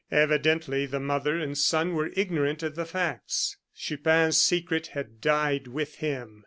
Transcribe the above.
Evidently the mother and son were ignorant of the facts. Chupin's secret had died with him.